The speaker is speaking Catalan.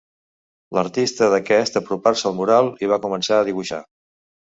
L'artista d'aquest apropar-se al mural i va començar a dibuixar.